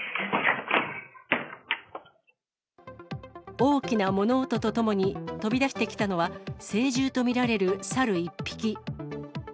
大きな物音とともに、飛び出してきたのは、成獣と見られるサル１匹。